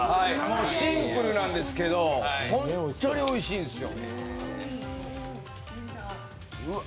シンプルなんですけども本当においしいんですよ。